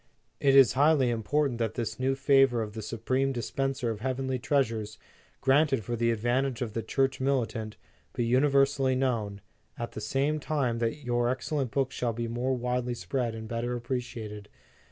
It is highly important that this new favor of the supreme dispenser of heavenly treasures, granted for the advantage of the Church mili tant, be universally known, at the same time that your excellent book shall be more widely spread and better appreciated.